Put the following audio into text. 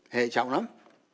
hệ trọng lắm